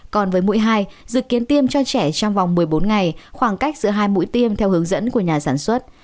còn với mũi hai dự kiến tiêm cho trẻ trong vòng một mươi bốn ngày khoảng cách giữa hai mũi tiêm theo hướng dẫn của nhà sản xuất